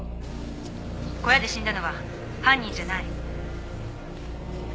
小屋で死んだのは犯人じゃない。